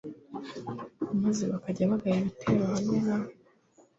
maze bakajya bagaba ibitero hamwe na we